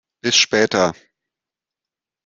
Bis später!